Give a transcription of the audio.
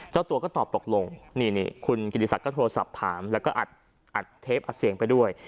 เจ้าตัวก็ตอบตกลงนี่คุณกิติศักดิ์โทรศัพท์ถามแล้วก็อัดเทปอัดเสียงไปด้วย